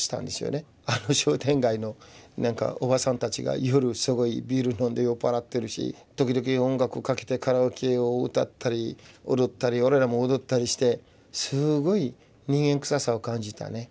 あの商店街のおばさんたちが夜すごいビール飲んで酔っ払ってるし時々音楽をかけてカラオケを歌ったり踊ったり我々も踊ったりしてすごい人間くささを感じたね。